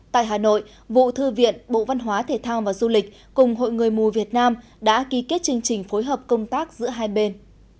tại hà nội vụ thư viện bộ văn hóa thể thao và du lịch cùng hội người mù việt nam đã ký kết chương trình phối hợp công tác giữa hai bên